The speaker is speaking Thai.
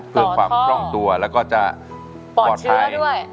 เพื่อความคล่องตัวแล้วก็จะปลอดภัยด้วย